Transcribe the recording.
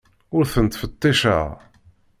Ur ten-ttfetticeɣ.